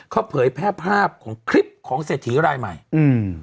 เขาเผยแพร่ภาพของคลิปของเศรษฐีรายใหม่อืม